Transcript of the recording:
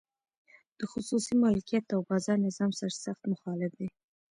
د خصوصي مالکیت او بازار نظام سرسخت مخالف دی.